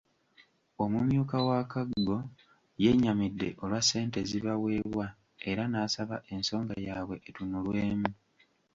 Omumyuka wa Kaggo yennyamidde olwa ssente ezibaweebwa era n’asaba ensonga yabwe etunulwemu.